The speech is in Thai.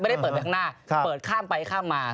ไม่ได้เปิดไปข้างหน้าเปิดข้ามไปข้ามมา